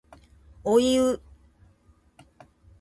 おいう